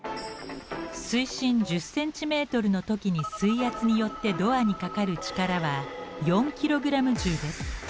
水深１０ｃｍの時に水圧によってドアにかかる力は４ｋｇ重です。